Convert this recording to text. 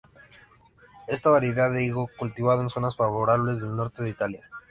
Esta variedad de higo cultivado en zonas favorables del norte de Italia.